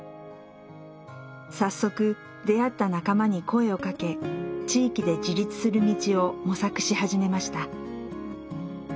早速出会った仲間に声をかけ地域で自立する道を模索し始めました。